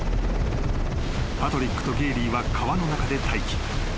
［パトリックとゲーリーは川の中で待機］